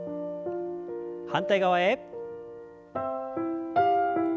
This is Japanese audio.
反対側へ。